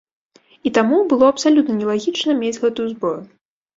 І таму, было абсалютна нелагічна мець гэтую зброю.